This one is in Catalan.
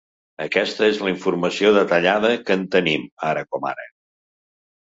Aquesta és la informació detallada que en tenim, ara com ara.